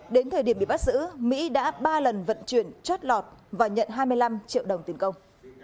đến thời điểm bị bắt giữ mỹ đã ba lần vận chuyển chót lọt và nhận hai mươi năm triệu đồng tiền công